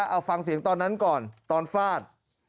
เอาฟังเสียงตอนนั้นก่อนตอนฟาด